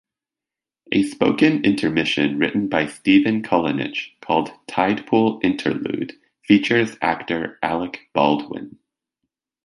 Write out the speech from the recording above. A spoken intermission written by Stephen Kalinich, called "Tidepool Interlude", features actor Alec Baldwin.